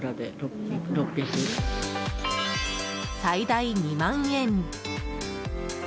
最大２万円。